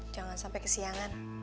jangan sampe kesiangan